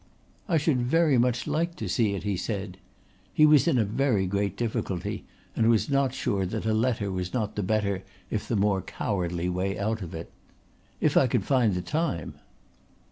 "I should very much like to see it," he said. He was in a very great difficulty, and was not sure that a letter was not the better if the more cowardly way out of it. "If I could find the time."